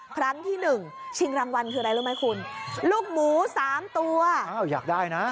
ครั้งที่หนึ่งชิงรางวัลคืออะไรรู้ไหมคุณลูกหมูสามตัวอ้าวอยากได้นะ